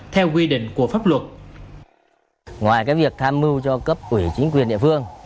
theo quy định của pháp luật ngoài việc tham mưu cho cấp ủy chính quyền địa phương